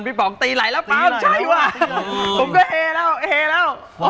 พี่ป๋องตีไหลแล้วปามใช่วะ